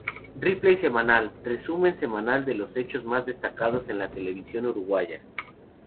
Replay Semanal: Resumen semanal de los hechos más destacados en la televisión uruguaya.